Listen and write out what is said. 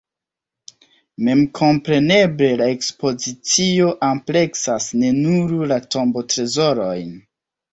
Memkompreneble la ekspozicio ampleksas ne nur la tombotrezorojn.